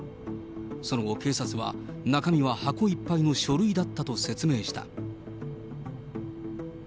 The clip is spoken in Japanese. その後、警察は中身は箱いっぱいの書類だったと説明した。